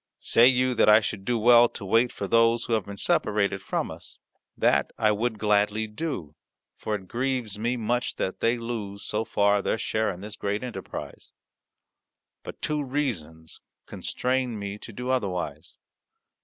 Say you that I should do well to wait for those who have been separated from us? That I would gladly do, for it grieves me much that they lose, so far, their share in this great enterprise. But two reasons constrain me to do otherwise.